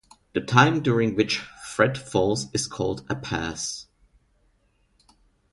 The time during which Thread falls is called a Pass.